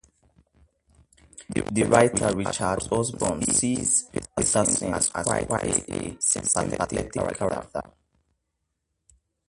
The writer Richard Usborne sees Peterson as quite a sympathetic character.